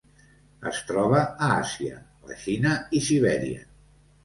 Es troba a Àsia: la Xina i Sibèria.